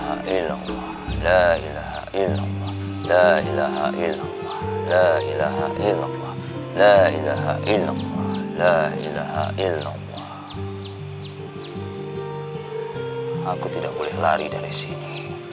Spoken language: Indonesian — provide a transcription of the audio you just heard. aku tidak boleh lari dari sini